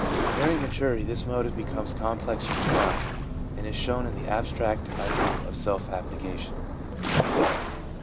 During maturity this motive becomes complex and refined, and is shown in the abstract ideal of self abnegation.